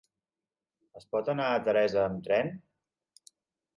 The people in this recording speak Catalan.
Es pot anar a Teresa amb tren?